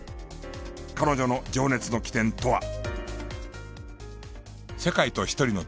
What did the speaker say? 彼女の情熱の起点とは。